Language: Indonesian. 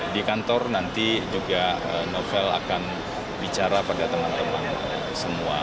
di kantor nanti juga novel akan bicara pada teman teman semua